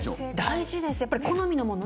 大事です、好みのもの